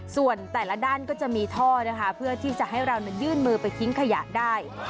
ส่วนแต่ละด้านก็จะมีท่อนะคะเพื่อที่จะให้เรายื่นมือไปทิ้งขยะได้